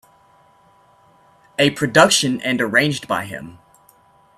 A production and arranged by him.